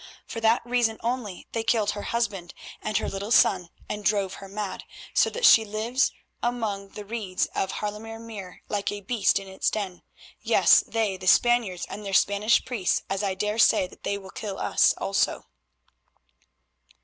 For that reason only they killed her husband and her little son, and drove her mad, so that she lives among the reeds of the Haarlemer Meer like a beast in its den; yes, they, the Spaniards and their Spanish priests, as I daresay that they will kill us also."